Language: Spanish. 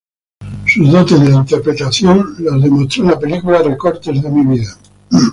Sus dotes en la interpretación las demostró en la película "Recortes de mi vida".